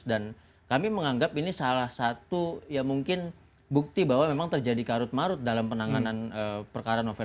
dan kami menganggap ini salah satu ya mungkin bukti bahwa memang terjadi karut marut dalam penanganan perkara novel